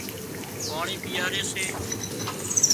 پاڻي پيئاري سي